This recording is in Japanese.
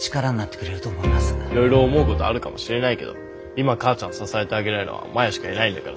いろいろ思うことあるかもしれないけど今母ちゃん支えてあげられるのはマヤしかいないんだからさ。